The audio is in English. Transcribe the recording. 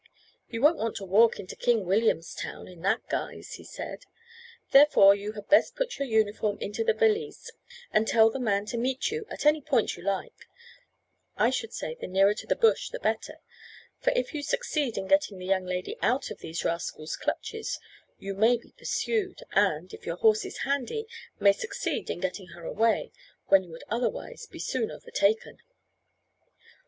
"You won't want to walk into King Williamstown in that guise," he said; "therefore you had best put your uniform into the valise, and tell the man to meet you at any point you like I should say the nearer to the bush the better; for if you succeed in getting the young lady out of these rascals' clutches you may be pursued, and, if your horse is handy, may succeed in getting her away, when you would otherwise be soon overtaken."